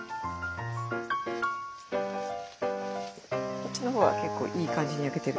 こっちのほうは結構いい感じに焼けてる。